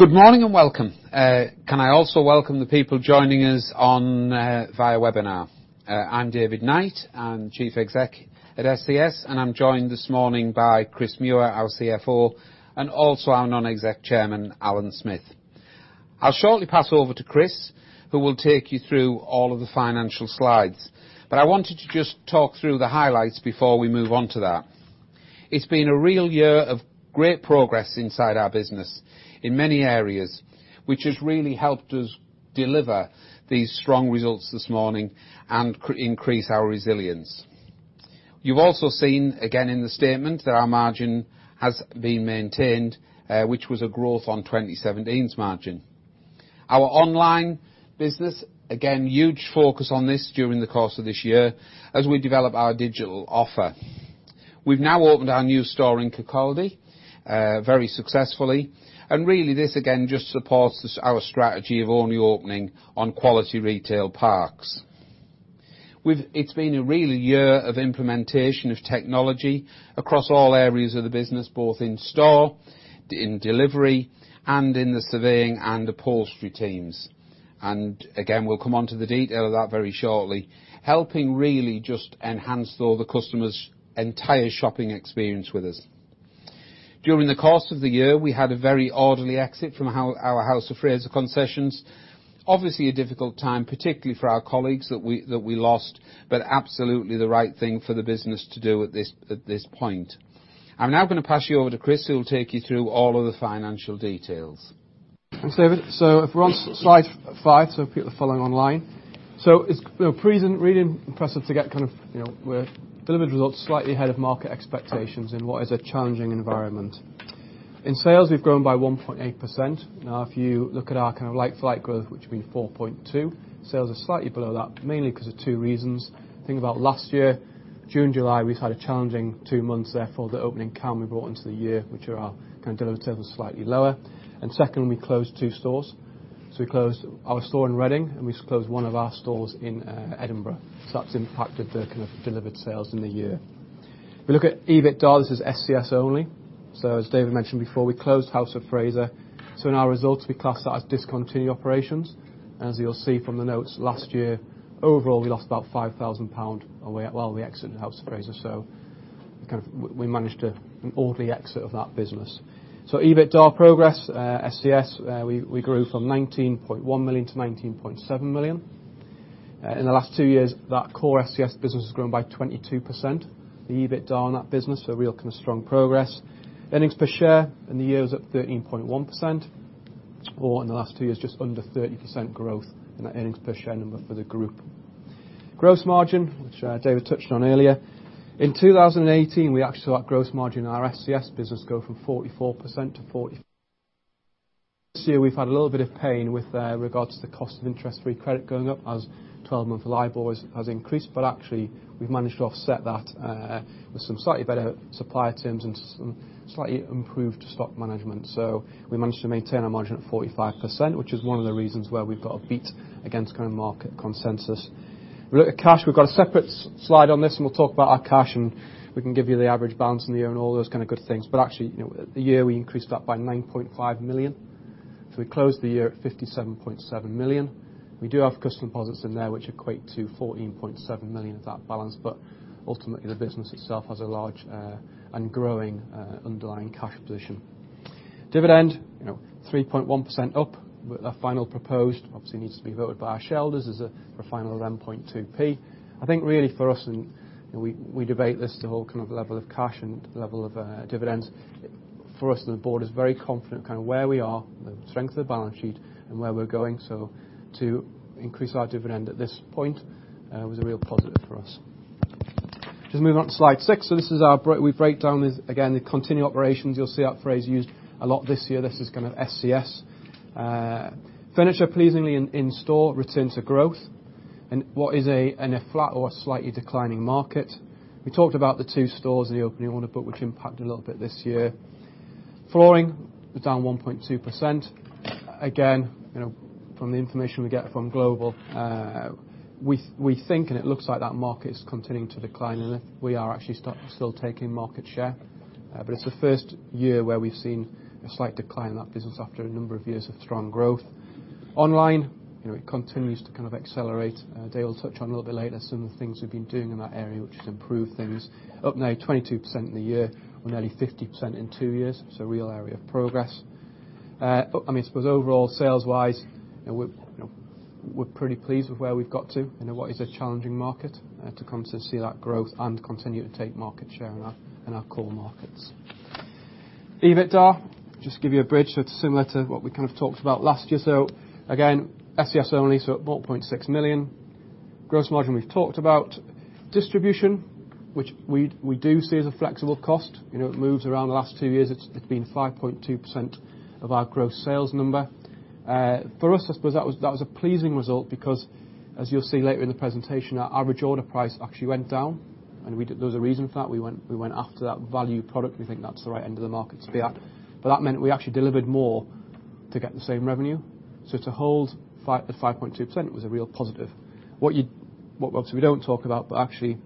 Good morning and welcome. Can I also welcome the people joining us via webinar? I'm David Knight, I'm Chief Exec at ScS, and I'm joined this morning by Chris Muir, our CFO, and also our Non-Exec Chairman, Alan Smith. I'll shortly pass over to Chris, who will take you through all of the financial slides, but I wanted to just talk through the highlights before we move on to that. It's been a real year of great progress inside our business in many areas, which has really helped us deliver these strong results this morning and increase our resilience. You've also seen, again, in the statement, that our margin has been maintained, which was a growth on 2017's margin. Our online business, again, huge focus on this during the course of this year as we develop our digital offer. We've now opened our new store in Kirkcaldy very successfully, and really this, again, just supports our strategy of only opening on quality retail parks. It's been a real year of implementation of technology across all areas of the business, both in store, in delivery, and in the surveying and upholstery teams. We'll come on to the detail of that very shortly, helping really just enhance all the customers' entire shopping experience with us. During the course of the year, we had a very orderly exit from our House of Fraser concessions. Obviously, a difficult time, particularly for our colleagues that we lost, but absolutely the right thing for the business to do at this point. I'm now going to pass you over to Chris, who will take you through all of the financial details. Thanks, David. If we're on slide five, people are following online. It's really impressive to get kind of delivered results slightly ahead of market expectations in what is a challenging environment. In sales, we've grown by 1.8%. If you look at our kind of like-for-like growth, which has been 4.2%, sales are slightly below that, mainly because of two reasons. Think about last year, June, July, we had a challenging two months there for the opening count we brought into the year, which are our kind of delivered sales are slightly lower. Second, we closed two stores. We closed our store in Reading, and we closed one of our stores in Edinburgh. That's impacted the kind of delivered sales in the year. If you look at EBITDA, this is ScS only. As David mentioned before, we closed House of Fraser. In our results, we class that as discontinued operations. As you'll see from the notes, last year, overall, we lost about 5,000 pounds while we exited House of Fraser. We managed an orderly exit of that business. EBITDA progress, ScS, we grew from 19.1 million to 19.7 million. In the last two years, that core ScS business has grown by 22%. The EBITDA on that business, so real kind of strong progress. Earnings per share in the year was up 13.1%, or in the last two years, just under 30% growth in that earnings per share number for the group. Gross margin, which David touched on earlier. In 2018, we actually saw that gross margin in our ScS business go from 44% to 45%. This year, we've had a little bit of pain with regards to the cost of interest-free credit going up as 12-month liabilities has increased, but actually, we've managed to offset that with some slightly better supply items and some slightly improved stock management. We managed to maintain our margin at 45%, which is one of the reasons why we've got a beat against kind of market consensus. We look at cash. We've got a separate slide on this, and we'll talk about our cash, and we can give you the average balance in the year and all those kind of good things. Actually, the year we increased that by 9.5 million. We closed the year at 57.7 million. We do have customer deposits in there, which equate to 14.7 million of that balance, but ultimately, the business itself has a large and growing underlying cash position. Dividend, 3.1% up with our final proposed. Obviously, needs to be voted by our shareholders as a final 0.112. I think really for us, and we debate this, the whole kind of level of cash and level of dividends, for us and the board is very confident of kind of where we are, the strength of the balance sheet, and where we're going. To increase our dividend at this point was a real positive for us. Just moving on to slide six. This is our, we break down, again, the continued operations. You'll see that phrase used a lot this year. This is kind of ScS. Furniture, pleasingly, in store returned to growth in what is a flat or a slightly declining market. We talked about the two stores in the opening order book, which impacted a little bit this year. Flooring was down 1.2%. Again, from the information we get from Global, we think, and it looks like that market is continuing to decline, and we are actually still taking market share. It is the first year where we have seen a slight decline in that business after a number of years of strong growth. Online, it continues to kind of accelerate. David will touch on a little bit later some of the things we have been doing in that area, which has improved things. Up now 22% in the year or nearly 50% in two years, so a real area of progress. I mean, I suppose overall, sales-wise, we are pretty pleased with where we have got to in what is a challenging market to come to see that growth and continue to take market share in our core markets. EBITDA, just to give you a bridge, so it's similar to what we kind of talked about last year. Again, ScS only, so 0.6 million. Gross margin, we've talked about. Distribution, which we do see as a flexible cost. It moves around the last two years. It's been 5.2% of our gross sales number. For us, I suppose that was a pleasing result because, as you'll see later in the presentation, our average order price actually went down, and there was a reason for that. We went after that value product. We think that's the right end of the market to be at. That meant we actually delivered more to get the same revenue. To hold at 5.2% was a real positive. What we do not talk about, but actually,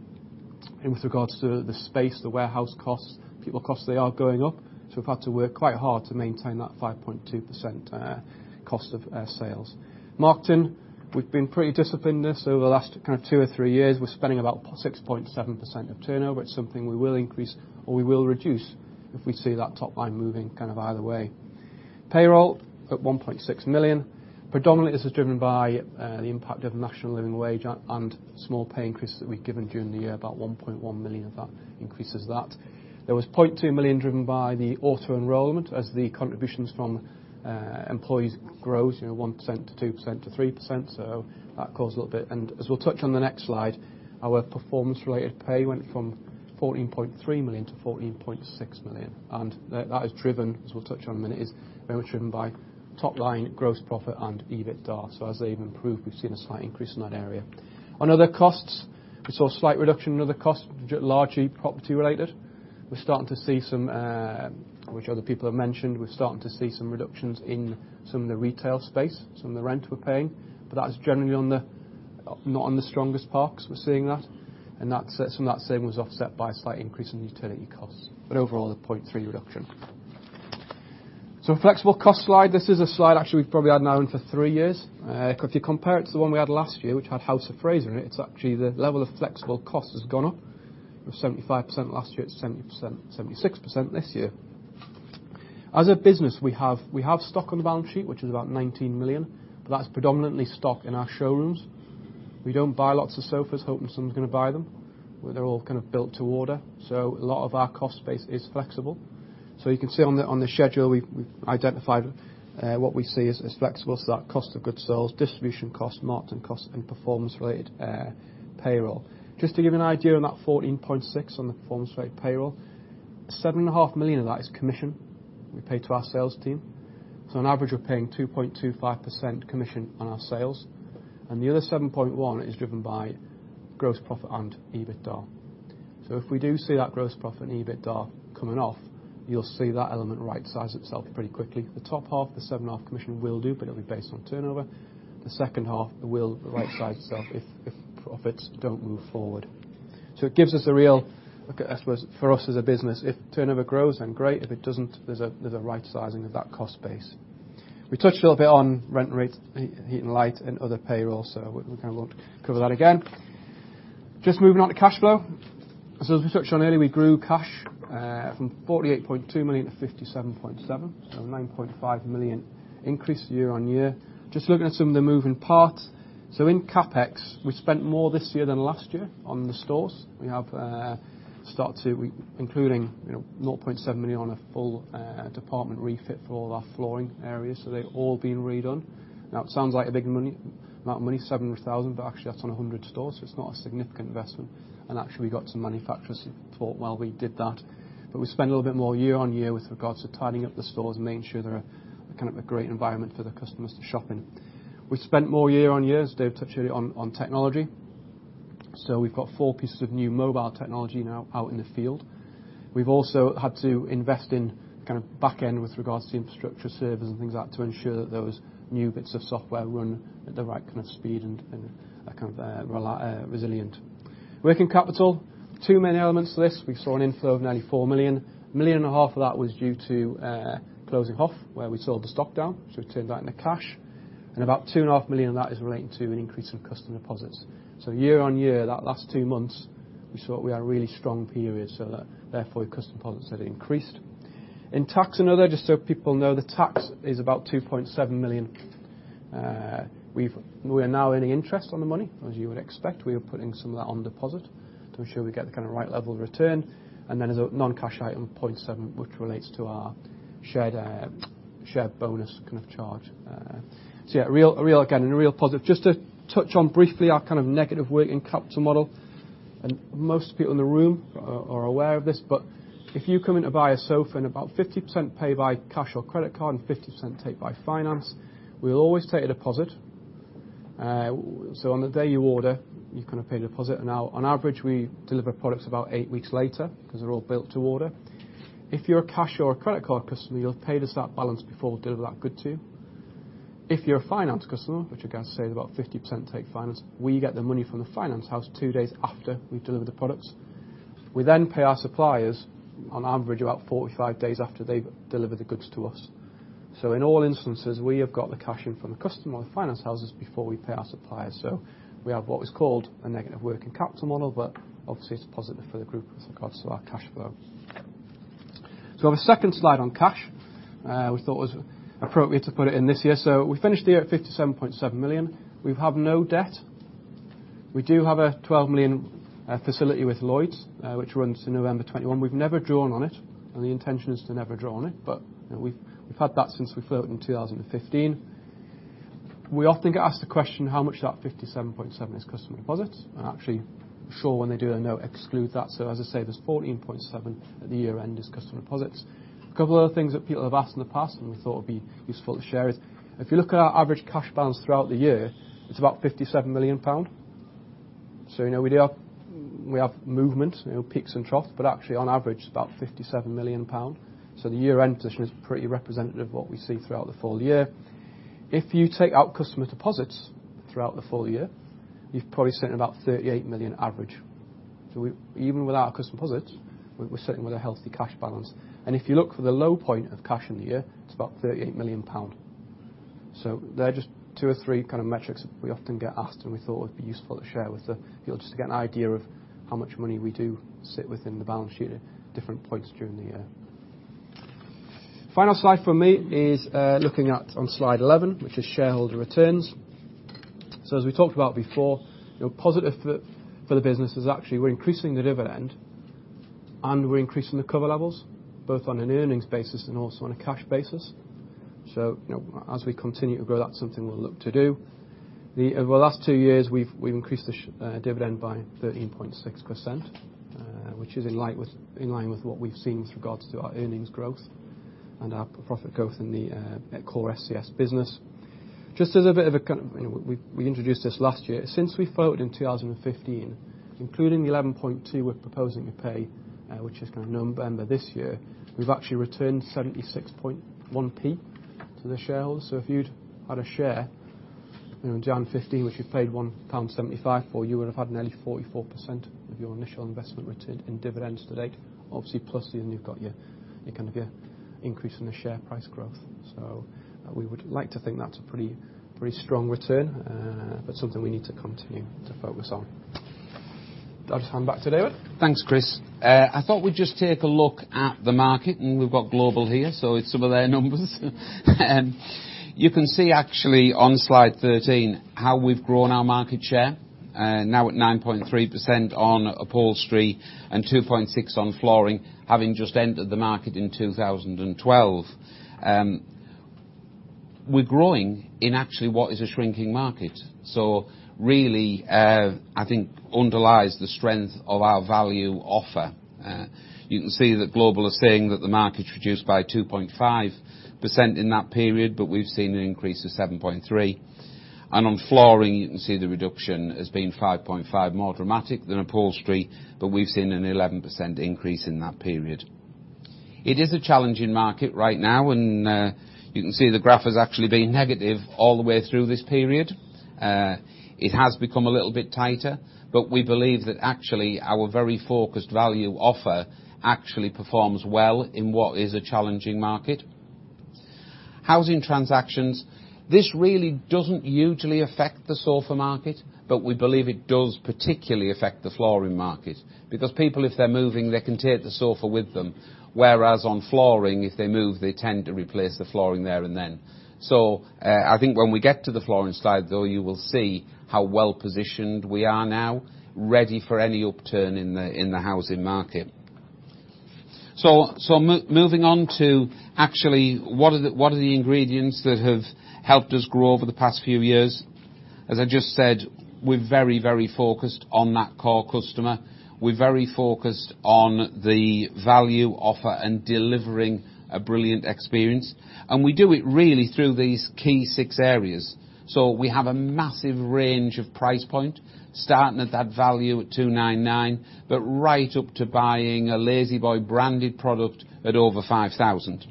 with regards to the space, the warehouse costs, people costs, they are going up. We've had to work quite hard to maintain that 5.2% cost of sales. Marketing, we've been pretty disciplined in this over the last kind of two or three years. We're spending about 6.7% of turnover. It's something we will increase or we will reduce if we see that top line moving kind of either way. Payroll at 1.6 million. Predominantly, this is driven by the impact of national living wage and small pay increases that we've given during the year. About 1.1 million of that increases that. There was 0.2 million driven by the auto-enrollment as the contributions from employees grow, 1% to 2% to 3%. That caused a little bit. As we'll touch on the next slide, our performance-related pay went from 14.3 million to 14.6 million. That is driven, as we'll touch on in a minute, is very much driven by top line gross profit and EBITDA. As they've improved, we've seen a slight increase in that area. On other costs, we saw a slight reduction in other costs, largely property related. We're starting to see some, which other people have mentioned. We're starting to see some reductions in some of the retail space, some of the rent we're paying. That's generally not on the strongest parks, we're seeing that. Some of that savings was offset by a slight increase in utility costs. Overall, a 0.3% reduction. Flexible cost slide, this is a slide actually we've probably had now in for three years. If you compare it to the one we had last year, which had House of Fraser in it, it's actually the level of flexible costs has gone up. It was 75% last year. It's 76% this year. As a business, we have stock on the balance sheet, which is about 19 million, but that's predominantly stock in our showrooms. We don't buy lots of sofas. Hope that someone's going to buy them. They're all kind of built to order. A lot of our cost base is flexible. You can see on the schedule, we've identified what we see as flexible. That cost of goods sales, distribution costs, marketing costs, and performance-related payroll. Just to give you an idea on that 14.6 million on the performance-related payroll, 7.5 million of that is commission we pay to our sales team. On average, we're paying 2.25% commission on our sales. The other 7.1 is driven by gross profit and EBITDA. If we do see that gross profit and EBITDA coming off, you'll see that element right-size itself pretty quickly. The top half, the 7.5% commission will do, but it'll be based on turnover. The second half will right-size itself if profits do not move forward. It gives us a real, I suppose, for us as a business, if turnover grows, then great. If it does not, there is a right-sizing of that cost base. We touched a little bit on rent rates, heat and light, and other payroll, so we kind of will not cover that again. Moving on to cash flow. As we touched on earlier, we grew cash from 48.2 million to 57.7 million, so a 9.5 million increase year on year. Looking at some of the moving parts. In CapEx, we spent more this year than last year on the stores. We have started to, including 700,000 on a full department refit for all of our flooring areas. They have all been redone. It sounds like a big amount of money, 700,000, but actually, that is on 100 stores. It is not a significant investment. Actually, we got some manufacturers who thought, "Well, we did that." We spend a little bit more year on year with regards to tidying up the stores and making sure they are kind of a great environment for the customers to shop in. We spent more year on year, as David touched earlier, on technology. We have got four pieces of new mobile technology now out in the field. We've also had to invest in kind of back-end with regards to infrastructure, servers, and things like that to ensure that those new bits of software run at the right kind of speed and are kind of resilient. Working capital, too many elements to this. We saw an inflow of nearly 4 million. 1.5 million of that was due to closing off, where we sold the stock down, so we turned that into cash. And about 2.5 million of that is relating to an increase in customer deposits. Year on year, that last two months, we saw it was a really strong period. Therefore, customer deposits had increased. In tax and other, just so people know, the tax is about 2.7 million. We are now earning interest on the money, as you would expect. We are putting some of that on deposit to ensure we get the kind of right level of return. Then as a non-cash item, 0.7, which relates to our shared bonus kind of charge. Yeah, again, a real positive. Just to touch on briefly our kind of negative working capital model. Most people in the room are aware of this, but if you come in to buy a sofa and about 50% pay by cash or credit card and 50% take by finance, we will always take a deposit. On the day you order, you kind of pay a deposit. Now, on average, we deliver products about eight weeks later because they are all built to order. If you are a cash or a credit card customer, you will pay us that balance before we deliver that good to you. If you're a finance customer, which I guess says about 50% take finance, we get the money from the finance house two days after we've delivered the products. We then pay our suppliers on average about 45 days after they've delivered the goods to us. In all instances, we have got the cash in from the customer or the finance houses before we pay our suppliers. We have what is called a negative working capital model, but obviously, it's positive for the group with regards to our cash flow. We have a second slide on cash. We thought it was appropriate to put it in this year. We finished the year at 57.7 million. We have no debt. We do have a 12 million facility with Lloyds Bank, which runs through November 2021. We've never drawn on it, and the intention is to never draw on it, but we've had that since we floated in 2015. We often get asked the question, "How much of that 57.7 million is customer deposits?" And actually, sure, when they do, they know exclude that. As I say, there's 14.7 million at the year-end as customer deposits. A couple of other things that people have asked in the past, and we thought it would be useful to share, is if you look at our average cash balance throughout the year, it's about 57 million pound. We have movement, peaks and troughs, but actually, on average, it's about 57 million pound. The year-end position is pretty representative of what we see throughout the full year. If you take out customer deposits throughout the full year, you're probably sitting at about 38 million average. Even without customer deposits, we're sitting with a healthy cash balance. If you look for the low point of cash in the year, it's about 38 million pound. They're just two or three kind of metrics that we often get asked, and we thought it would be useful to share with the people just to get an idea of how much money we do sit within the balance sheet at different points during the year. The final slide for me is looking at, on slide 11, which is shareholder returns. As we talked about before, positive for the business is actually we're increasing the dividend, and we're increasing the cover levels, both on an earnings basis and also on a cash basis. As we continue to grow, that's something we'll look to do. Over the last two years, we've increased the dividend by 13.6%, which is in line with what we've seen with regards to our earnings growth and our profit growth in the core ScS business. Just as a bit of a kind of we introduced this last year. Since we floated in 2015, including the 11.2 we're proposing to pay, which is kind of November this year, we've actually returned 76.1p to the shareholders. So if you'd had a share in January 2015, which you've paid 1.75 pound for, you would have had nearly 44% of your initial investment returned in dividends to date. Obviously, plus the. You've got your kind of increase in the share price growth. We would like to think that's a pretty strong return, but something we need to continue to focus on. I'll just hand back to David. Thanks, Chris. I thought we'd just take a look at the market, and we've got Global here, so it's some of their numbers. You can see actually on slide 13 how we've grown our market share, now at 9.3% on upholstery and 2.6% on flooring, having just entered the market in 2012. We're growing in actually what is a shrinking market. So really, I think underlies the strength of our value offer. You can see that Global is saying that the market's reduced by 2.5% in that period, but we've seen an increase of 7.3%. And on flooring, you can see the reduction has been 5.5%, more dramatic than upholstery, but we've seen an 11% increase in that period. It is a challenging market right now, and you can see the graph has actually been negative all the way through this period. It has become a little bit tighter, but we believe that actually our very focused value offer actually performs well in what is a challenging market. Housing transactions, this really does not usually affect the sofa market, but we believe it does particularly affect the flooring market because people, if they are moving, they can take the sofa with them, whereas on flooring, if they move, they tend to replace the flooring there and then. I think when we get to the flooring slide, though, you will see how well-positioned we are now, ready for any upturn in the housing market. Moving on to actually what are the ingredients that have helped us grow over the past few years. As I just said, we are very, very focused on that core customer. We are very focused on the value offer and delivering a brilliant experience. We do it really through these key six areas. We have a massive range of price point, starting at that value at 299, but right up to buying a La-Z-Boy branded product at over 5,000.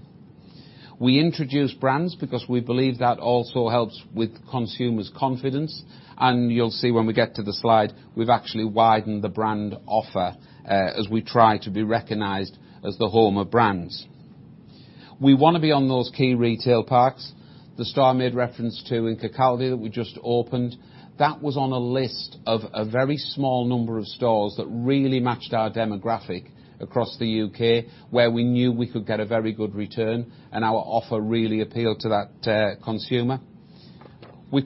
We introduce brands because we believe that also helps with consumers' confidence. You will see when we get to the slide, we have actually widened the brand offer as we try to be recognized as the home of brands. We want to be on those key retail parks. The store I made reference to in Kirkcaldy that we just opened, that was on a list of a very small number of stores that really matched our demographic across the U.K., where we knew we could get a very good return, and our offer really appealed to that consumer. We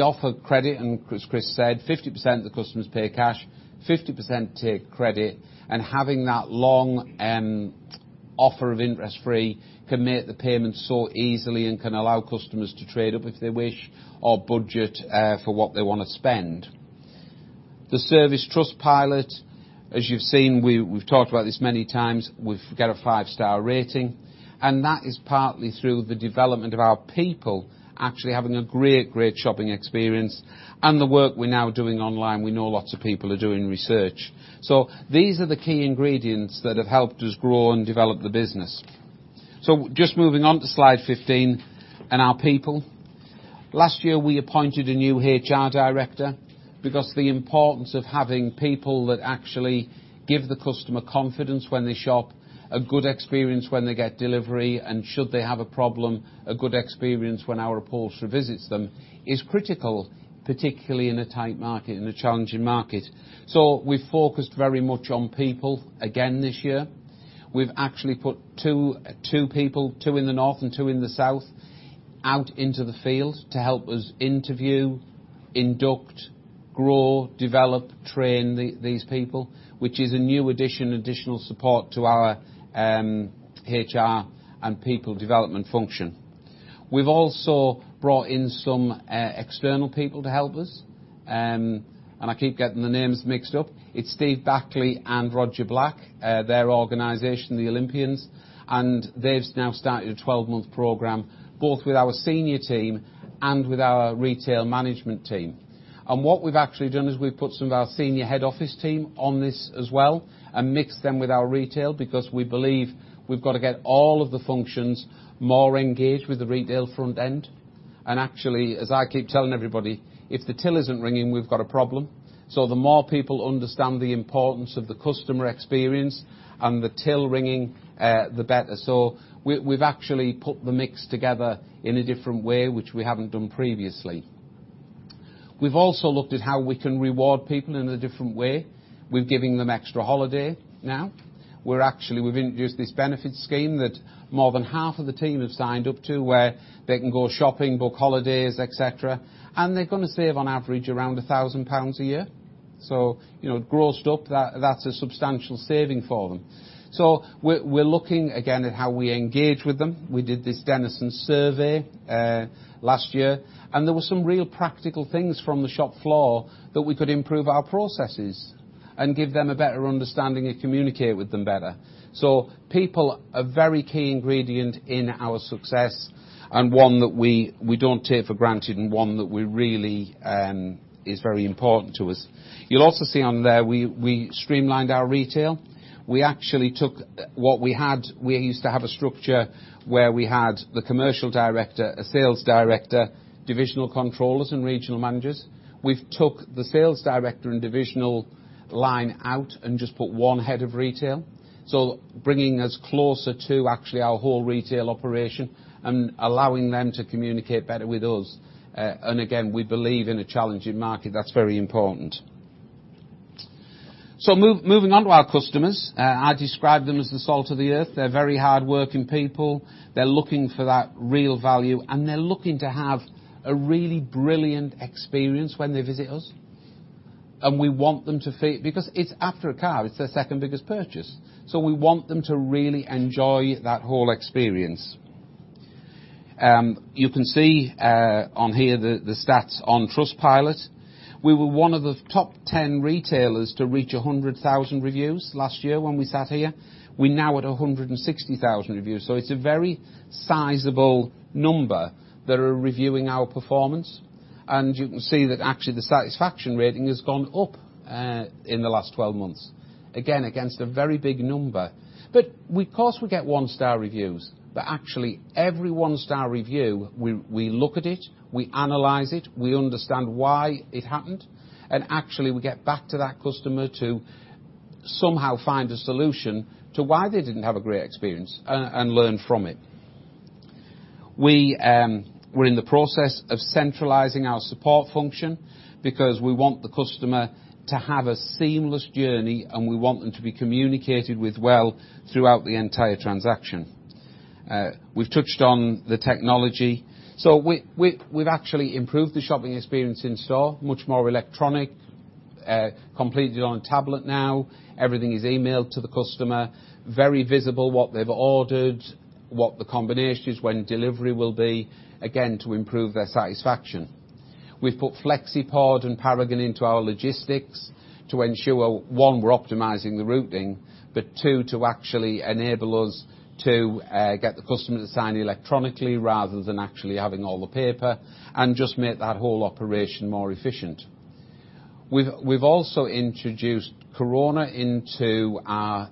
offer credit, and as Chris said, 50% of the customers pay cash, 50% take credit. Having that long offer of interest-free can make the payment so easy and can allow customers to trade up if they wish or budget for what they want to spend. The service Trustpilot, as you have seen, we have talked about this many times, we have got a five-star rating. That is partly through the development of our people actually having a great, great shopping experience and the work we are now doing online. We know lots of people are doing research. These are the key ingredients that have helped us grow and develop the business. Just moving on to slide 15 and our people. Last year, we appointed a new HR director because the importance of having people that actually give the customer confidence when they shop, a good experience when they get delivery, and should they have a problem, a good experience when our upholstery visits them is critical, particularly in a tight market, in a challenging market. We have focused very much on people again this year. We have actually put two people, two in the north and two in the south, out into the field to help us interview, induct, grow, develop, train these people, which is a new addition, additional support to our HR and people development function. We have also brought in some external people to help us. I keep getting the names mixed up. It is Steve Barclay and Roger Black, their organization, the Olympians. They've now started a 12-month program, both with our senior team and with our retail management team. What we've actually done is we've put some of our senior head office team on this as well and mixed them with our retail because we believe we've got to get all of the functions more engaged with the retail front end. Actually, as I keep telling everybody, if the till isn't ringing, we've got a problem. The more people understand the importance of the customer experience and the till ringing, the better. We've actually put the mix together in a different way, which we haven't done previously. We've also looked at how we can reward people in a different way. We're giving them extra holiday now. We've introduced this benefit scheme that more than half of the team have signed up to, where they can go shopping, book holidays, etc. They're going to save, on average, around 1,000 pounds a year. Grossed up, that's a substantial saving for them. We're looking again at how we engage with them. We did this Denison survey last year, and there were some real practical things from the shop floor that we could improve our processes and give them a better understanding and communicate with them better. People are a very key ingredient in our success and one that we don't take for granted and one that really is very important to us. You'll also see on there, we streamlined our retail. We actually took what we had. We used to have a structure where we had the Commercial Director, a Sales Director, divisional controllers, and regional managers. We've took the Sales Director and divisional line out and just put one Head of Retail, bringing us closer to actually our whole retail operation and allowing them to communicate better with us. Again, we believe in a challenging market. That's very important. Moving on to our customers, I describe them as the salt of the earth. They're very hardworking people. They're looking for that real value, and they're looking to have a really brilliant experience when they visit us. We want them to feel because it's after a car. It's their second biggest purchase. We want them to really enjoy that whole experience. You can see on here the stats on Trustpilot. We were one of the top 10 retailers to reach 100,000 reviews last year when we sat here. We're now at 160,000 reviews. It is a very sizable number that are reviewing our performance. You can see that actually the satisfaction rating has gone up in the last 12 months, again, against a very big number. Of course, we get one-star reviews, but actually, every one-star review, we look at it, we analyze it, we understand why it happened, and actually, we get back to that customer to somehow find a solution to why they did not have a great experience and learn from it. We are in the process of centralizing our support function because we want the customer to have a seamless journey, and we want them to be communicated with well throughout the entire transaction. We have touched on the technology. We have actually improved the shopping experience in store, much more electronic, completely on a tablet now. Everything is emailed to the customer, very visible what they have ordered, what the combination is, when delivery will be, again, to improve their satisfaction. We have put FlexiPod and Paragon into our logistics to ensure, one, we are optimizing the routing, but two, to actually enable us to get the customer to sign electronically rather than actually having all the paper and just make that whole operation more efficient. We have also introduced Corona into our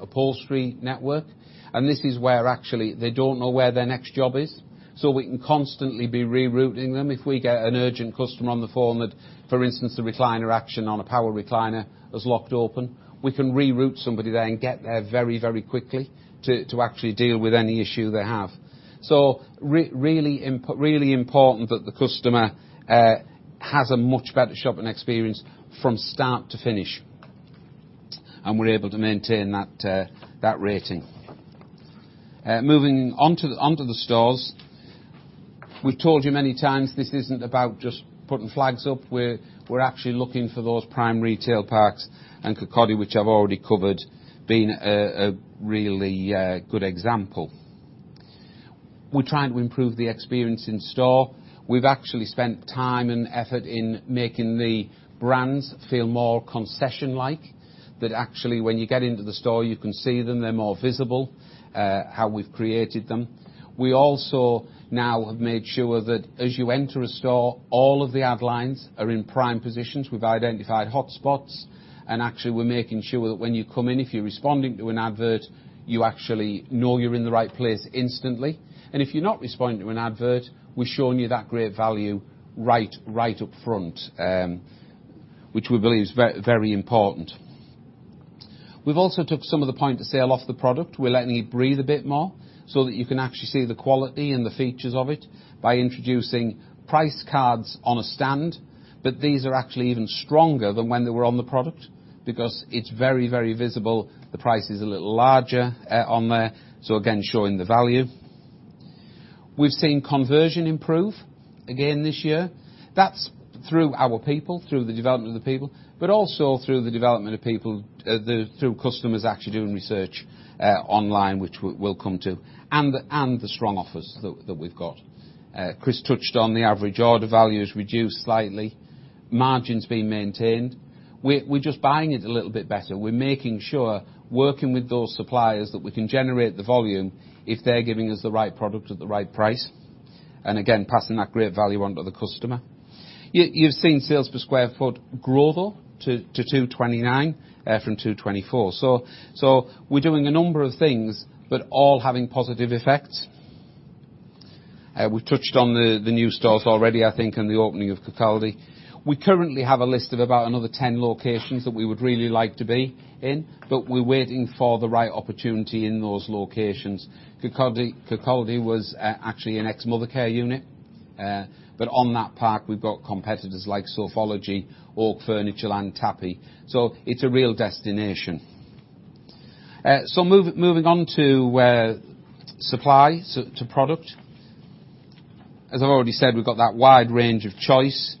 upholstery network, and this is where actually they do not know where their next job is. We can constantly be rerouting them. If we get an urgent customer on the phone that, for instance, the recliner action on a power recliner has locked open, we can reroute somebody there and get there very, very quickly to actually deal with any issue they have. Really important that the customer has a much better shopping experience from start to finish, and we're able to maintain that rating. Moving on to the stores, we've told you many times this isn't about just putting flags up. We're actually looking for those prime retail parks, and Kirkcaldy, which I've already covered, being a really good example. We're trying to improve the experience in store. We've actually spent time and effort in making the brands feel more concession-like, that actually when you get into the store, you can see them. They're more visible, how we've created them. We also now have made sure that as you enter a store, all of the ad lines are in prime positions. We have identified hotspots, and actually, we are making sure that when you come in, if you are responding to an advert, you actually know you are in the right place instantly. If you are not responding to an advert, we have shown you that great value right up front, which we believe is very important. We have also took some of the point of sale off the product. We are letting it breathe a bit more so that you can actually see the quality and the features of it by introducing price cards on a stand, but these are actually even stronger than when they were on the product because it is very, very visible. The price is a little larger on there, so again, showing the value. We have seen conversion improve again this year. That's through our people, through the development of the people, but also through the development of people, through customers actually doing research online, which we'll come to, and the strong offers that we've got. Chris touched on the average order value has reduced slightly, margins being maintained. We're just buying it a little bit better. We're making sure, working with those suppliers, that we can generate the volume if they're giving us the right product at the right price, and again, passing that great value on to the customer. You've seen sales per square foot grow, though, to 229 from 224. We are doing a number of things, but all having positive effects. We've touched on the new stores already, I think, and the opening of Kirkcaldy. We currently have a list of about another 10 locations that we would really like to be in, but we're waiting for the right opportunity in those locations. Kirkcaldy was actually an ex-Mothercare unit, but on that park, we've got competitors like Sofology, Oak Furniture land, and Tapi. It is a real destination. Moving on to supply to product. As I've already said, we've got that wide range of choice.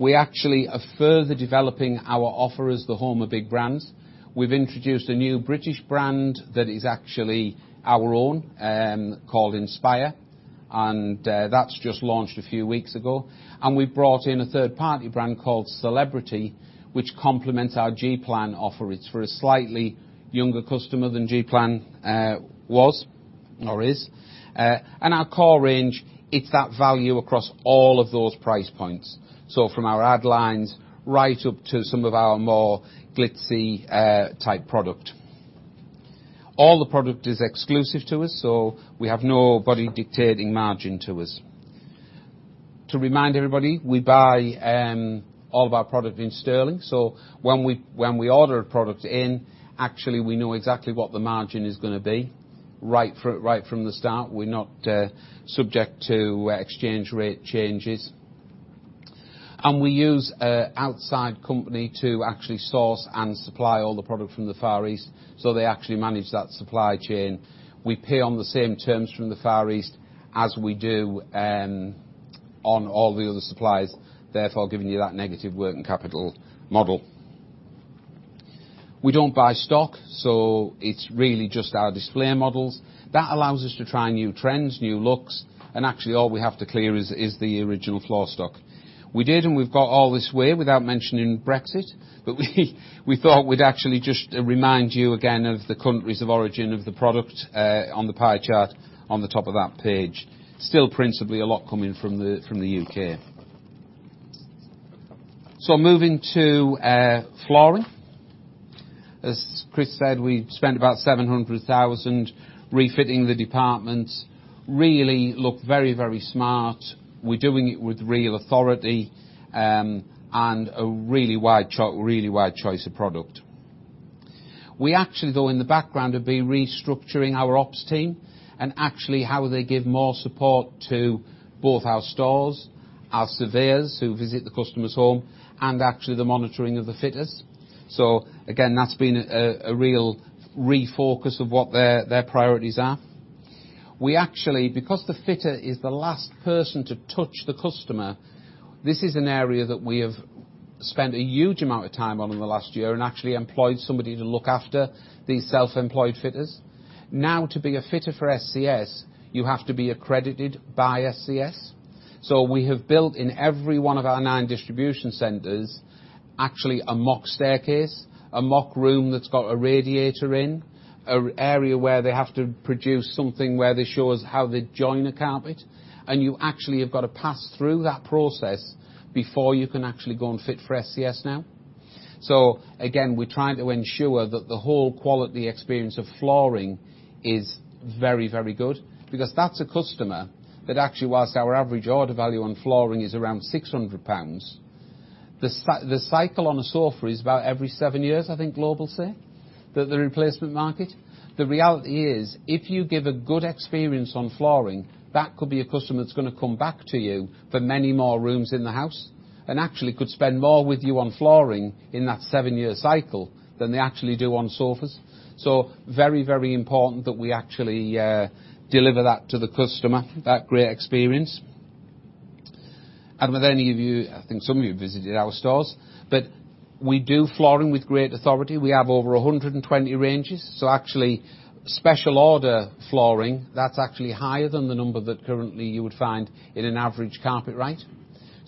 We actually are further developing our offer as the home of big brands. We've introduced a new British brand that is actually our own called Inspire, and that's just launched a few weeks ago. We've brought in a third-party brand called Celebrity, which complements our G Plan offerings for a slightly younger customer than G Plan was or is. Our core range, it's that value across all of those price points, from our ad lines right up to some of our more glitzy-type product. All the product is exclusive to us, so we have nobody dictating margin to us. To remind everybody, we buy all of our product in GBP. When we order a product in, actually, we know exactly what the margin is going to be right from the start. We're not subject to exchange rate changes. We use an outside company to actually source and supply all the product from the Far East, so they actually manage that supply chain. We pay on the same terms from the Far East as we do on all the other suppliers, therefore giving you that negative working capital model. We do not buy stock, so it is really just our display models. That allows us to try new trends, new looks, and actually, all we have to clear is the original floor stock. We did, and we've got all this way without mentioning Brexit, but we thought we'd actually just remind you again of the countries of origin of the product on the pie chart on the top of that page. Still, principally, a lot coming from the U.K. Moving to flooring. As Chris said, we spent 700,000 refitting the departments. Really look very, very smart. We're doing it with real authority and a really wide choice of product. We actually, though, in the background, are restructuring our ops team and actually how they give more support to both our stores, our surveyors who visit the customer's home, and actually the monitoring of the fitters. Again, that's been a real refocus of what their priorities are. Because the fitter is the last person to touch the customer, this is an area that we have spent a huge amount of time on in the last year and actually employed somebody to look after these self-employed fitters. Now, to be a fitter for ScS, you have to be accredited by ScS. So we have built in every one of our nine distribution centers actually a mock staircase, a mock room that's got a radiator in, an area where they have to produce something where they show us how they join a carpet. And you actually have got to pass through that process before you can actually go and fit for ScS now. Again, we're trying to ensure that the whole quality experience of flooring is very, very good because that's a customer that actually, whilst our average order value on flooring is around 600 pounds, the cycle on a sofa is about every seven years, I think Global say, that the replacement market. The reality is, if you give a good experience on flooring, that could be a customer that's going to come back to you for many more rooms in the house and actually could spend more with you on flooring in that seven-year cycle than they actually do on sofas. Very, very important that we actually deliver that to the customer, that great experience. With any of you, I think some of you have visited our stores, but we do flooring with great authority. We have over 120 ranges. Special order flooring, that's actually higher than the number that currently you would find in an average Carpetright.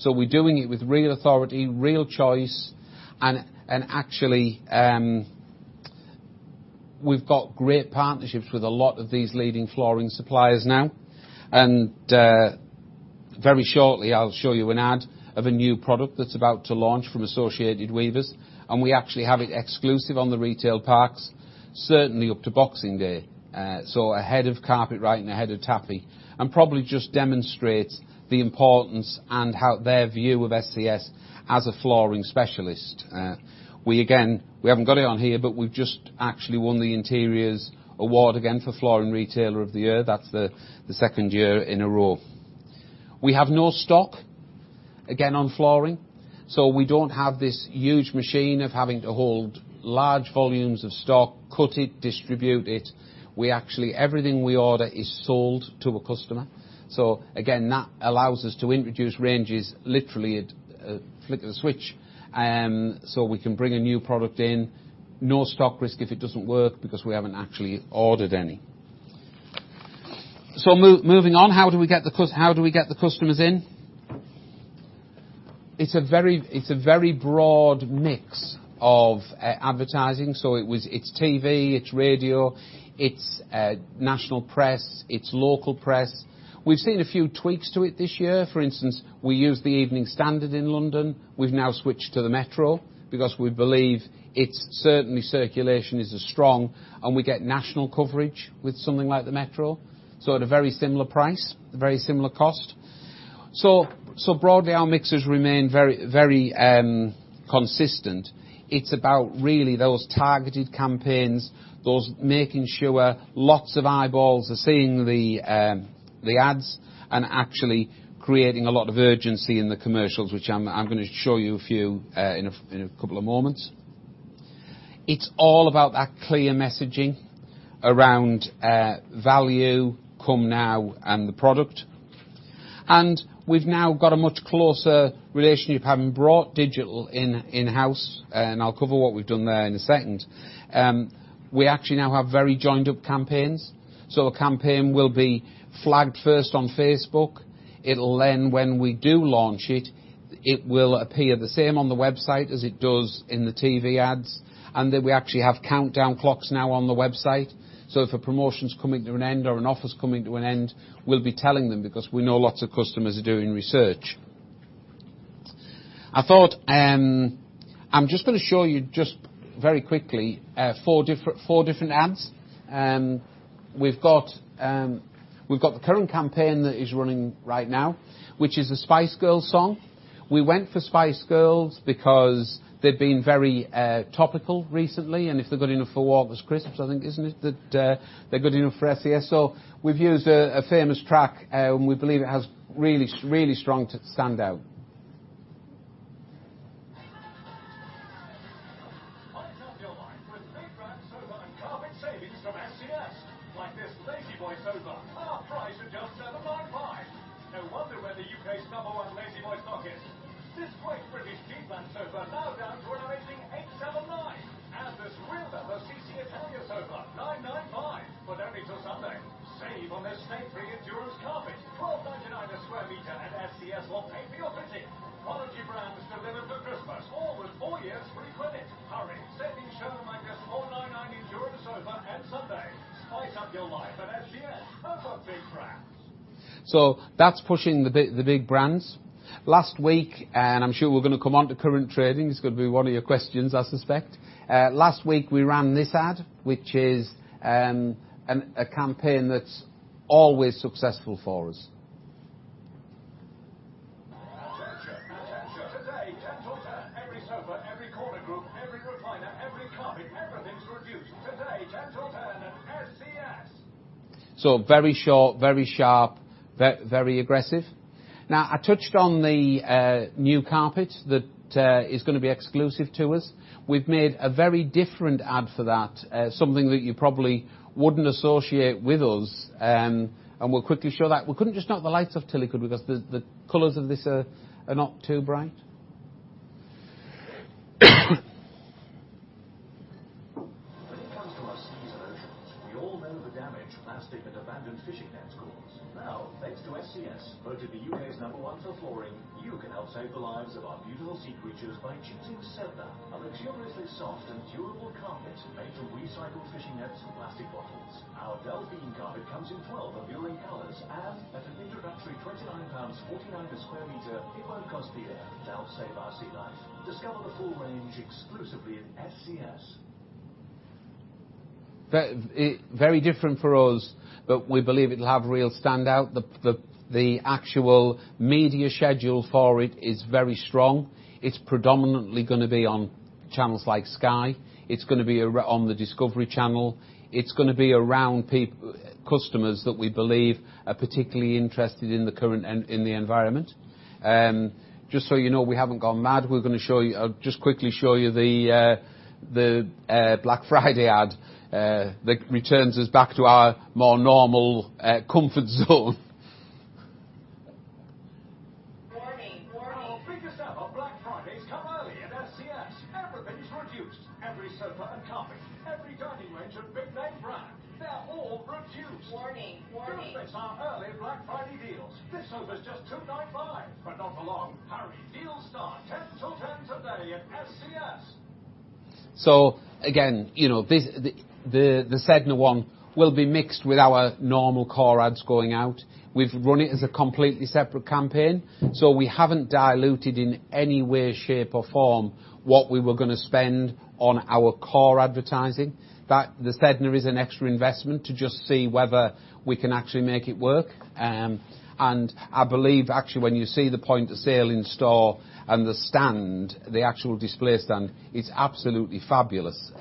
We're doing it with real authority, real choice, and actually, we've got great partnerships with a lot of these leading flooring suppliers now. Very shortly, I'll show you an ad of a new product that's about to launch from Associated Weavers, and we actually have it exclusive on the retail parks, certainly up to Boxing Day, so ahead of Carpetright and ahead of Tapi, and probably just demonstrates the importance and their view of ScS as a flooring specialist. Again, we haven't got it on here, but we've just actually won the interiors award again for Flooring Retailer of the Year. That's the second year in a row. We have no stock, again, on flooring, so we do not have this huge machine of having to hold large volumes of stock, cut it, distribute it. Everything we order is sold to a customer. Again, that allows us to introduce ranges literally at a flick of a switch, so we can bring a new product in, no stock risk if it does not work because we have not actually ordered any. Moving on, how do we get the customers in? It is a very broad mix of advertising, so it is TV, it is radio, it is national press, it is local press. We have seen a few tweaks to it this year. For instance, we used the Evening Standard in London. We have now switched to the Metro because we believe its circulation is certainly strong, and we get national coverage with something like the Metro, so at a very similar price, very similar cost. Broadly, our mixes remain very consistent. It is about really those targeted campaigns, those making sure lots of eyeballs are seeing the ads and actually creating a lot of urgency in the commercials, which I am going to show you a few in a couple of moments. It is all about that clear messaging around value, come now, and the product. We have now got a much closer relationship having brought digital in-house, and I will cover what we have done there in a second. We actually now have very joined-up campaigns, so a campaign will be flagged first on Facebook. It will then, when we do launch it, appear the same on the website as it does in the TV ads, and then we actually have countdown clocks now on the website. If a promotion's coming to an end or an offer's coming to an end, we'll be telling them because we know lots of customers are doing research. I'm just going to show you just very quickly four different ads. We've got the current campaign that is running right now, which is a Spice Girls song. We went for Spice Girls because they've been very topical recently, and if they're good enough for Walkers Crisps, I think, isn't it, that they're good enough for ScS? We've used a famous track, and we believe it has really strong to stand Today, 10 to 10, every sofa, every corner group, every recliner, every carpet, everything's reduced. Today, 10 to 10 at ScS. Very short, very sharp, very aggressive. Now, I touched on the new carpet that is going to be exclusive to us. We've made a very different ad for that, something that you probably wouldn't associate with us, and we'll quickly show that. We couldn't just knock the lights off till we could because the colors of this are not too bright. Welcome to our seasonal show. We all know the damage plastic and abandoned fishing nets cause. Now, thanks to ScS, voted the U.K.'s number one for flooring, you can help save the lives of our beautiful sea creatures by choosing Sedna, a luxuriously soft and durable carpet made from recycled fishing nets and plastic bottles. Our Delphine carpet comes in 12 alluring colors and at an introductory 29.49 pounds a square meter, it won't cost the air. It'll help save our sea life. Discover the full range exclusively at ScS. Very different for us, but we believe it'll have real standout. The actual media schedule for it is very strong. It's predominantly going to be on channels like Sky. It's going to be on the Discovery Channel. It's going to be around customers that we believe are particularly interested in the environment. Just so you know, we haven't gone mad. We're going to just quickly show you the Black Friday ad that returns us back to our more normal comfort zone. Morning. Morning. All figures out of Black Fridays come early at ScS. Everything's reduced. Every sofa and carpet, every dining range of Big Bang Brand. They're all reduced. Morning. Morning. Don't miss our early Black Friday deals. This sofa's just GBP 295, but not for long. Hurry, deals start 10:10 today at ScS. The Sedna one will be mixed with our normal core ads going out. We've run it as a completely separate campaign, so we haven't diluted in any way, shape, or form what we were going to spend on our core advertising. The Sedna is an extra investment to just see whether we can actually make it work. I believe, actually, when you see the point of sale in store and the stand, the actual display stand, it's absolutely fabulous.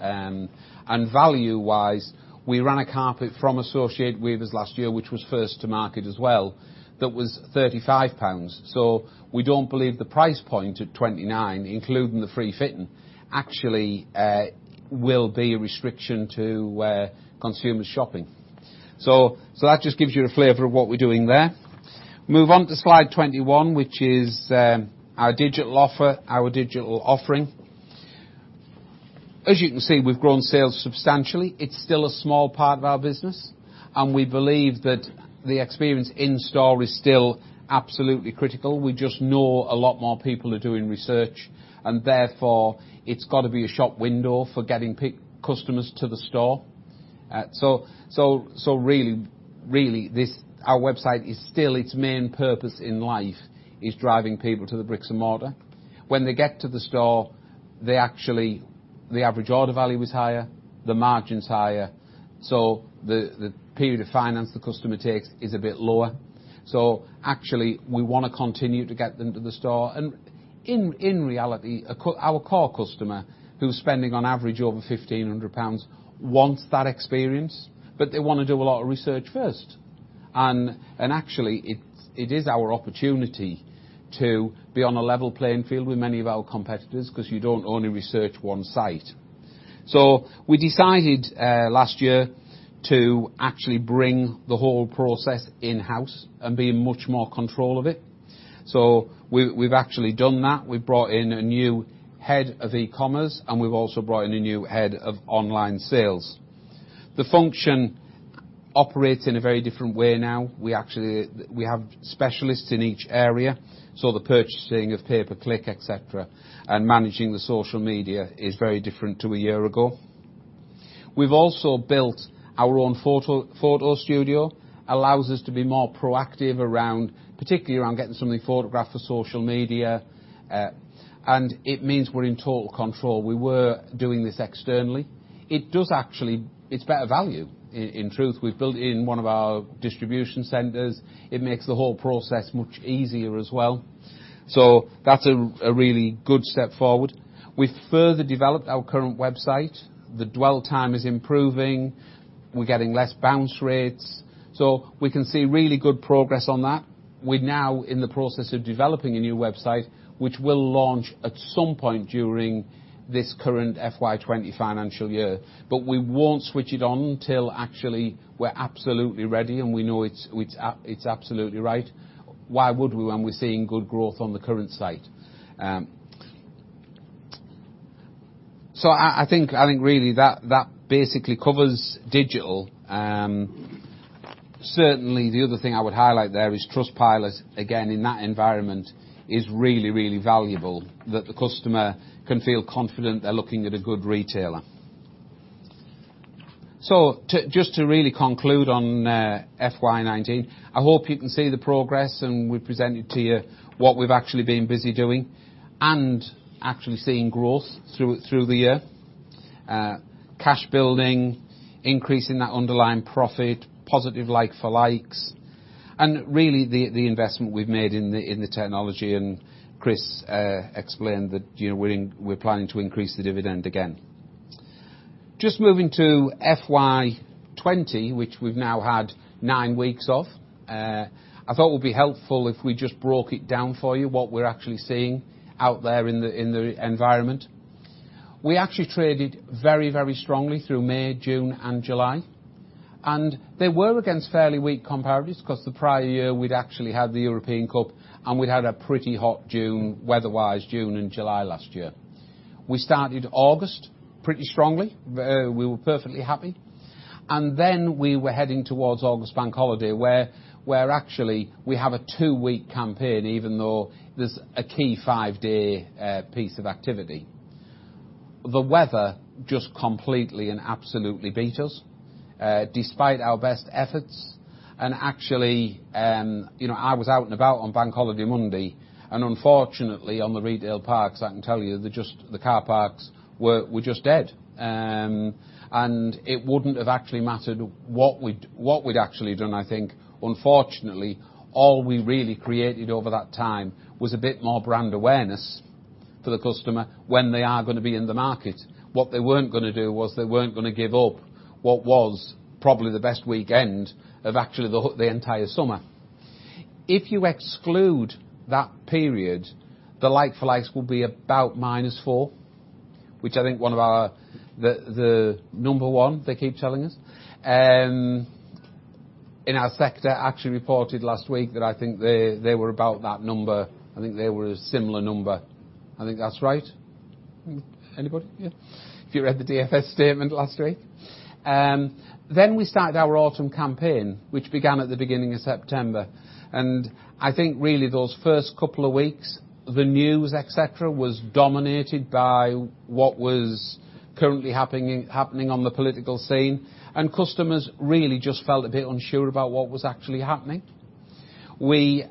Value-wise, we ran a carpet from Associated Weavers last year, which was first to market as well, that was 35 pounds. We don't believe the price point at 29, including the free fitting, actually will be a restriction to consumers' shopping. That just gives you a flavor of what we're doing there. Move on to slide 21, which is our digital offer, our digital offering. As you can see, we've grown sales substantially. It's still a small part of our business, and we believe that the experience in store is still absolutely critical. We just know a lot more people are doing research, and therefore, it's got to be a shop window for getting customers to the store. Our website is still its main purpose in life is driving people to the bricks and mortar. When they get to the store, the average order value is higher, the margin's higher, the period of finance the customer takes is a bit lower. Actually, we want to continue to get them to the store. In reality, our core customer who's spending on average over 1,500 pounds wants that experience, but they want to do a lot of research first. It is our opportunity to be on a level playing field with many of our competitors because you do not only research one site. We decided last year to actually bring the whole process in-house and be in much more control of it. We have actually done that. We have brought in a new head of e-commerce, and we have also brought in a new head of online sales. The function operates in a very different way now. We have specialists in each area, so the purchasing of pay-per-click, etc., and managing the social media is very different to a year ago. We have also built our own photo studio. It allows us to be more proactive, particularly around getting something photographed for social media, and it means we are in total control. We were doing this externally. It is better value, in truth. We've built it in one of our distribution centers. It makes the whole process much easier as well. That's a really good step forward. We've further developed our current website. The dwell time is improving. We're getting less bounce rates. We can see really good progress on that. We're now in the process of developing a new website, which we'll launch at some point during this current FY 2020 financial year, but we won't switch it on until actually we're absolutely ready and we know it's absolutely right. Why would we when we're seeing good growth on the current site? I think really that basically covers digital. Certainly, the other thing I would highlight there is Trustpilot, again, in that environment, is really, really valuable that the customer can feel confident they're looking at a good retailer. Just to really conclude on FY 2019, I hope you can see the progress, and we have presented to you what we have actually been busy doing and actually seeing growth through the year, cash building, increasing that underlying profit, positive like for likes, and really the investment we have made in the technology. Chris explained that we are planning to increase the dividend again. Moving to FY 2020, which we have now had nine weeks of, I thought it would be helpful if we just broke it down for you, what we are actually seeing out there in the environment. We actually traded very, very strongly through May, June, and July, and they were against fairly weak comparables because the prior year we had actually had the European Cup, and we had a pretty hot June, weather-wise, June and July last year. We started August pretty strongly. We were perfectly happy. We were heading towards August bank holiday where actually we have a two-week campaign, even though there is a key five-day piece of activity. The weather just completely and absolutely beat us despite our best efforts. Actually, I was out and about on bank holiday Monday, and unfortunately, on the retail parks, I can tell you the car parks were just dead. It would not have actually mattered what we had actually done, I think. Unfortunately, all we really created over that time was a bit more brand awareness for the customer when they are going to be in the market. What they were not going to do was they were not going to give up what was probably the best weekend of actually the entire summer. If you exclude that period, the like for likes will be about minus four, which I think one of our, the number one, they keep telling us. In our sector, actually reported last week that I think they were about that number. I think they were a similar number. I think that's right. Anybody? Yeah. If you read the DFS statement last week. We started our autumn campaign, which began at the beginning of September. I think really those first couple of weeks, the news, etc., was dominated by what was currently happening on the political scene, and customers really just felt a bit unsure about what was actually happening. We've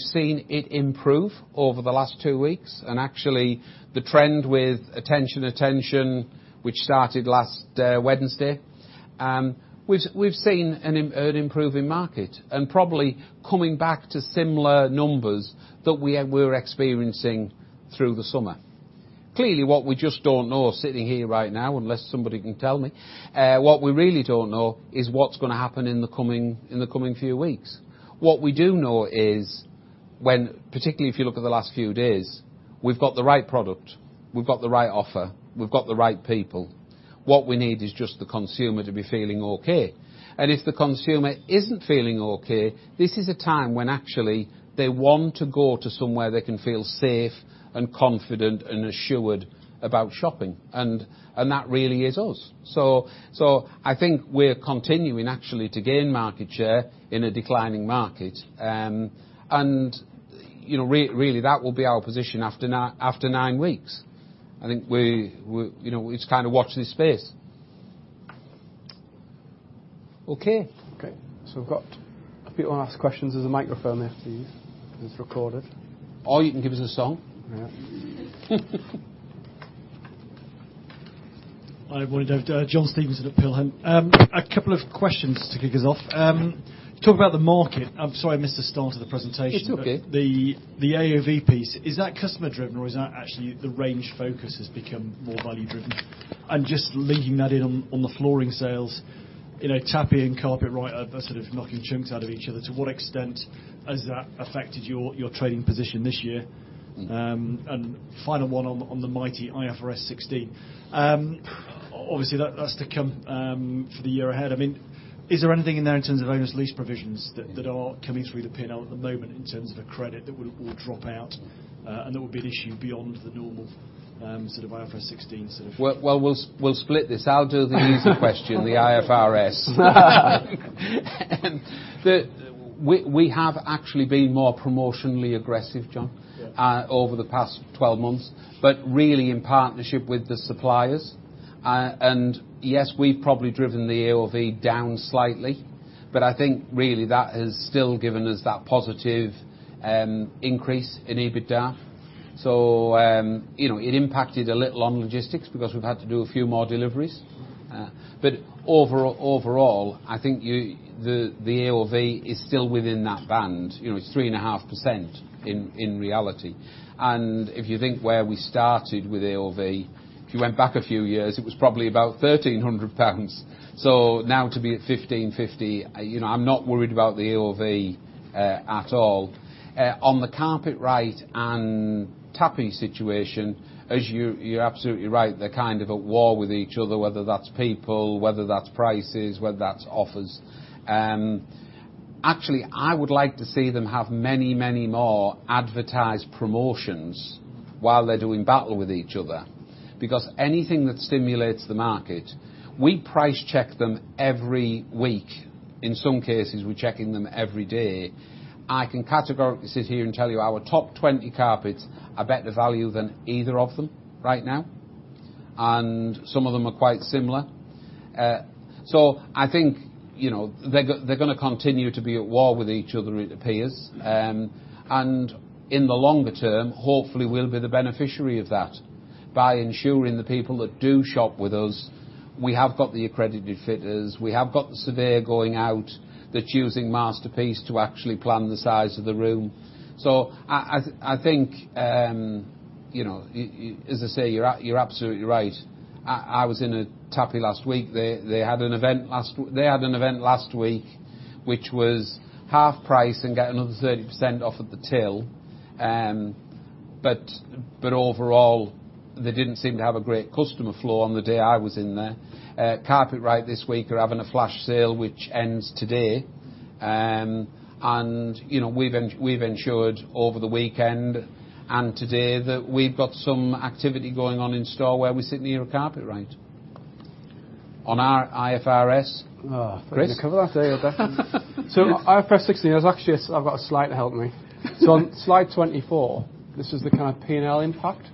seen it improve over the last two weeks, and actually the trend with attention, which started last Wednesday, we've seen an improving market and probably coming back to similar numbers that we were experiencing through the summer. Clearly, what we just do not know sitting here right now, unless somebody can tell me, what we really do not know is what's going to happen in the coming few weeks. What we do know is, particularly if you look at the last few days, we've got the right product. We've got the right offer. We've got the right people. What we need is just the consumer to be feeling okay. If the consumer isn't feeling okay, this is a time when actually they want to go to somewhere they can feel safe and confident and assured about shopping. That really is us. I think we're continuing actually to gain market share in a declining market. Really, that will be our position after nine weeks. I think it's kind of watch this space. Okay. We've got a few last questions. There's a microphone there for you. It's recorded. Or you can give us a song. Hi, everybody. John Stevenson at Peel Hunt. A couple of questions to kick us off. Talk about the market. I'm sorry I missed the start of the presentation. It's okay. The AOV piece, is that customer-driven, or is that actually the range focus has become more value-driven? Just linking that in on the flooring sales, Tapi, Carpetright, sort of knocking chunks out of each other, to what extent has that affected your trading position this year? Final one on the mighty IFRS 16. Obviously, that's to come for the year ahead.I mean, is there anything in there in terms of owner's lease provisions that are coming through the P&L at the moment in terms of a credit that will drop out and that would be an issue beyond the normal sort of IFRS 16 sort of? We'll split this. I'll do the easy question, the IFRS. We have actually been more promotionally aggressive, John, over the past 12 months, but really in partnership with the suppliers. And yes, we've probably driven the AOV down slightly, but I think really that has still given us that positive increase in EBITDA. It impacted a little on logistics because we've had to do a few more deliveries. Overall, I think the AOV is still within that band. It's 3.5% in reality. If you think where we started with AOV, if you went back a few years, it was probably about 1,300 pounds. Now to be at 1,550, I'm not worried about the AOV at all. On the Carpetright and Tapi situation, as you're absolutely right, they're kind of at war with each other, whether that's people, whether that's prices, whether that's offers. Actually, I would like to see them have many, many more advertised promotions while they're doing battle with each other because anything that stimulates the market, we price check them every week. In some cases, we're checking them every day. I can categorically sit here and tell you our top 20 carpets are better value than either of them right now. Some of them are quite similar. I think they're going to continue to be at war with each other, it appears. In the longer term, hopefully, we'll be the beneficiary of that by ensuring the people that do shop with us. We have got the accredited fitters. We have got the surveyor going out that's using Masterpiece to actually plan the size of the room. I think, as I say, you're absolutely right. I was in a Tapi last week. They had an event last week, which was half price and get another 30% off at the till. Overall, they didn't seem to have a great customer flow on the day I was in there. Carpetright this week are having a flash sale, which ends today. We've ensured over the weekend and today that we've got some activity going on in store where we sit near a Carpetright. On our IFRS, Chris? Did we cover that day or day? IFRS 16, I've got a slide to help me. On slide 24, this is the kind of P&L impact.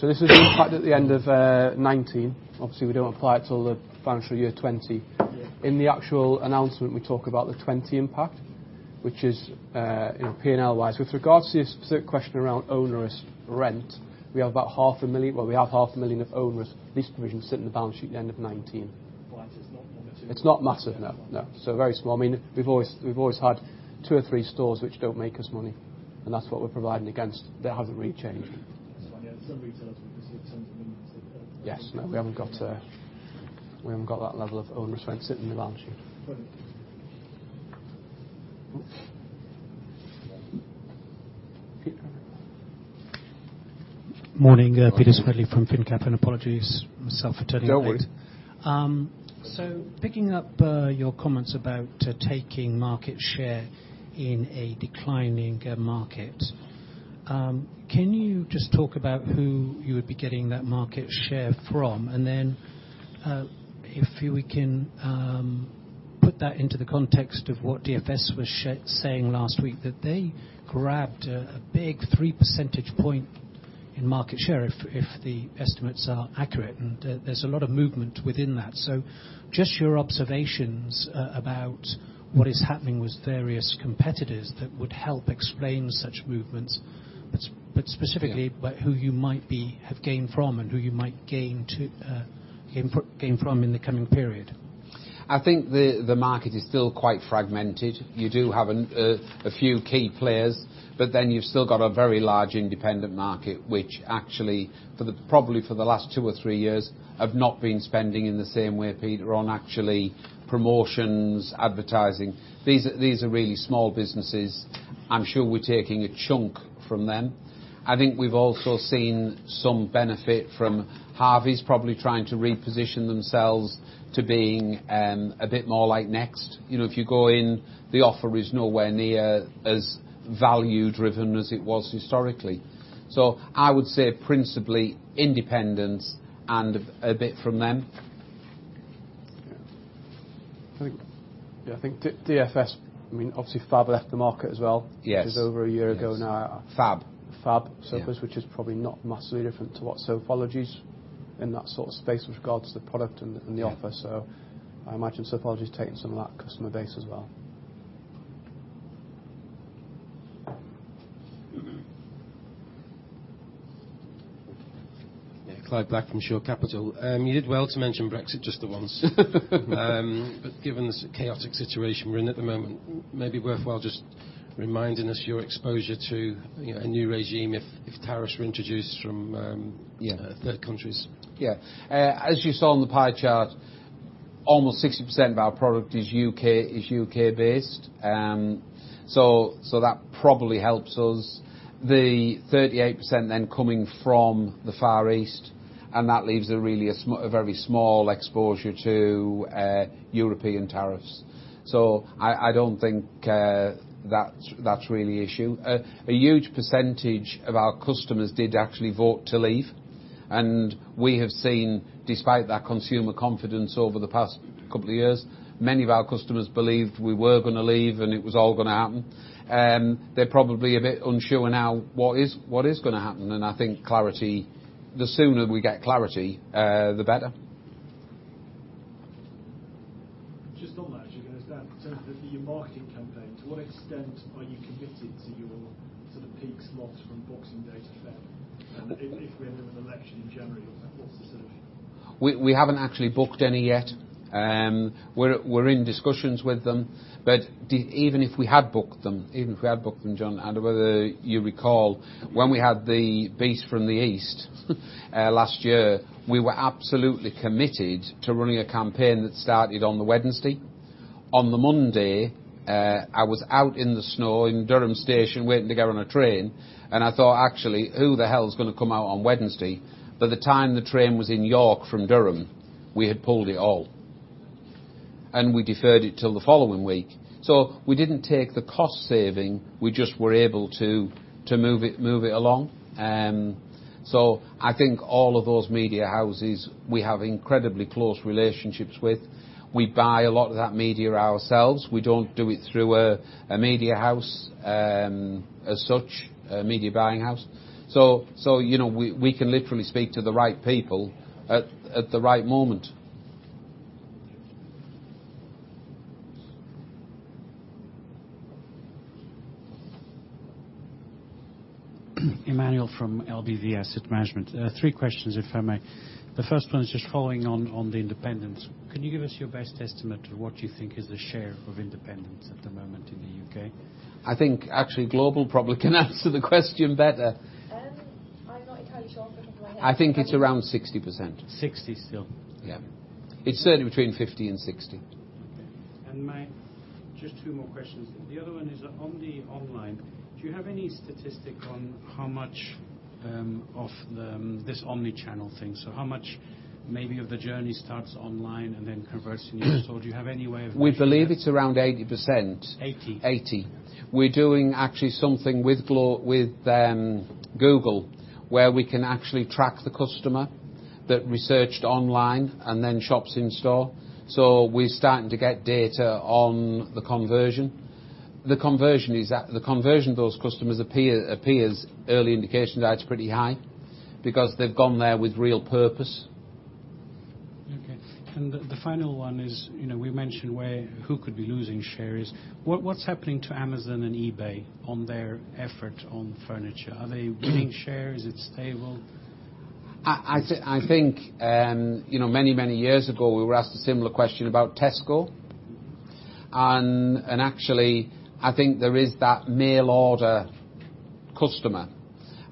Special price, yeah. This is the impact at the end of 2019. Obviously, we do not apply it until the financial year 2020. In the actual announcement, we talk about the 2020 impact, which is P&L-wise. With regards to your specific question around owner rent, we have about $500,000, well, we have $500,000 of owner's lease provisions sitting in the balance sheet at the end of 2019. It is not monetary. It is not massive, no. No. Very small. I mean, we've always had two or three stores which do not make us money, and that is what we are providing against. They have not really changed. That is fine. Some retailers will just get tons of millions. Yes. No, we have not got that level of owner's rent sitting in the balance sheet. Morning. Peter Smidley from FinnCap. And apologies, myself for turning it around. Do not worry. Picking up your comments about taking market share in a declining market, can you just talk about who you would be getting that market share from? If we can put that into the context of what DFS was saying last week, that they grabbed a big 3 percentage point in market share if the estimates are accurate. There is a lot of movement within that. Just your observations about what is happening with various competitors that would help explain such movements, but specifically who you might have gained from and who you might gain from in the coming period. I think the market is still quite fragmented .You do have a few key players, but then you've still got a very large independent market, which actually, probably for the last two or three years, have not been spending in the same way, Peter, on actually promotions, advertising. These are really small businesses. I'm sure we're taking a chunk from them. I think we've also seen some benefit from Harveys probably trying to reposition themselves to being a bit more like Next. If you go in, the offer is nowhere near as value-driven as it was historically. I would say principally independents and a bit from them. Yeah. I think DFS, I mean, obviously Fab left the market as well. It was over a year ago now. Fab. Fab, I suppose, which is probably not massively different to what Sofology is in that sort of space with regards to the product and the offer.I imagine Sofology is taking some of that customer base as well. Yeah. Clive Black from Shore Capital. You did well to mention Brexit just the once. Given the chaotic situation we are in at the moment, maybe worthwhile just reminding us your exposure to a new regime if tariffs were introduced from third countries. Yeah.As you saw on the pie chart, almost 60% of our product is U.K.-based. That probably helps us. The 38% then coming from the Far East, and that leaves a really very small exposure to European tariffs. I do not think that is really an issue. A huge percentage of our customers did actually vote to leave. We have seen, despite that, consumer confidence over the past couple of years. Many of our customers believed we were going to leave, and it was all going to happen. They're probably a bit unsure now what is going to happen. I think clarity, the sooner we get clarity, the better. Just on that, as you're going to start, in terms of your marketing campaign, to what extent are you committed to your sort of peak slots from Boxing Day to Feb? If we end up with an election in January, what's the sort of? We haven't actually booked any yet. We're in discussions with them. Even if we had booked them, even if we had booked them, John, and whether you recall, when we had the beast from the east last year, we were absolutely committed to running a campaign that started on the Wednesday. On the Monday, I was out in the snow in Durham station waiting to get on a train, and I thought, actually, who the hell's going to come out on Wednesday? By the time the train was in York from Durham, we had pulled it all. We deferred it till the following week. We did not take the cost saving. We just were able to move it along. I think all of those media houses we have incredibly close relationships with. We buy a lot of that media ourselves. We do not do it through a media house as such, a media buying house. We can literally speak to the right people at the right moment. Emmanuel from LBV Asset Management. Three questions, if I may. The first one is just following on the independence. Can you give us your best estimate of what you think is the share of independence at the moment in the U.K.? I think actually Global probably can answer the question better. I am not entirely sure off the top of my head. I think it's around 60%. 60 still. Yeah. It's certainly between 50 and 60. Okay. And just two more questions. The other one is on the online. Do you have any statistic on how much of this omnichannel thing? So how much maybe of the journey starts online and then converts into the store? Do you have any way of? We believe it's around 80%. 80. 80. We're doing actually something with Google where we can actually track the customer that researched online and then shops in store. So we're starting to get data on the conversion. The conversion of those customers appears early indications are it's pretty high because they've gone there with real purpose. Okay. And the final one is we mentioned who could be losing shares. What's happening to Amazon and eBay on their effort on furniture? Are they winning shares? Is it stable? I think many, many years ago, we were asked a similar question about Tesco. Actually, I think there is that mail order customer.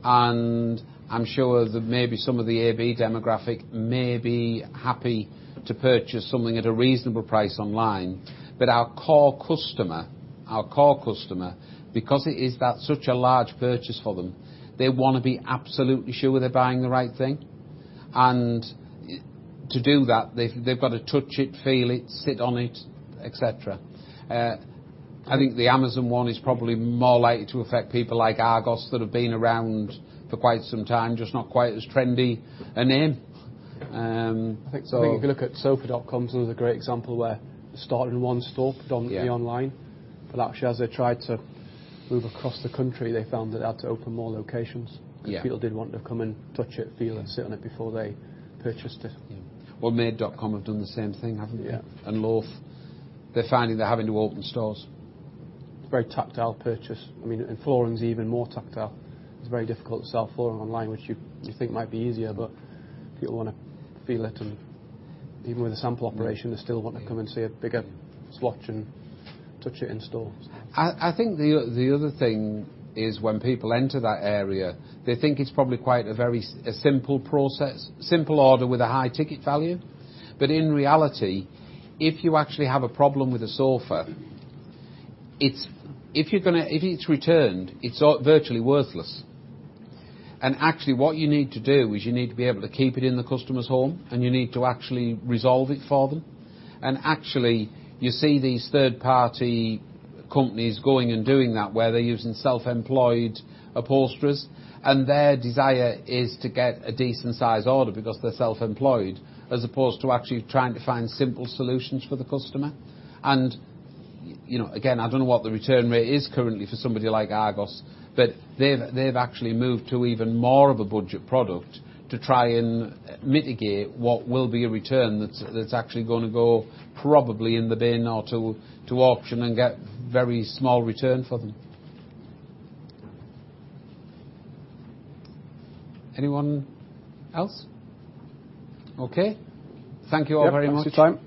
I'm sure that maybe some of the AB demographic may be happy to purchase something at a reasonable price online. Our core customer, our core customer, because it is such a large purchase for them, they want to be absolutely sure they're buying the right thing. To do that, they've got to touch it, feel it, sit on it, etc. I think the Amazon one is probably more likely to affect people like Argos that have been around for quite some time, just not quite as trendy a name. If you look at sofa.com, it's another great example where starting one store predominantly online. Actually, as they tried to move across the country, they found that they had to open more locations. Because people did want to come and touch it, feel it, sit on it before they purchased it. Made.com have done the same thing, haven't they? And Loth, they're finding they're having to open stores. It's a very tactile purchase. I mean, and flooring's even more tactile. It's very difficult to sell flooring online, which you think might be easier, but people want to feel it. Even with a sample operation, they still want to come and see a bigger swatch and touch it in stores. I think the other thing is when people enter that area, they think it's probably quite a very simple process, simple order with a high ticket value. In reality, if you actually have a problem with a sofa, if it is returned, it is virtually worthless. Actually, what you need to do is you need to be able to keep it in the customer's home, and you need to actually resolve it for them. You see these third-party companies going and doing that where they are using self-employed upholsterers, and their desire is to get a decent-sized order because they are self-employed, as opposed to actually trying to find simple solutions for the customer. I do not know what the return rate is currently for somebody like Argos, but they have actually moved to even more of a budget product to try and mitigate what will be a return that is actually going to go probably in the bin or to auction and get very small return for them. Anyone else? Okay. Thank you all very much.